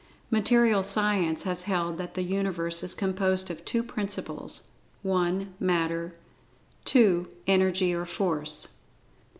Material Science has held that the Universe is composed of two principles, (1) Matter; (2) Energy or Force.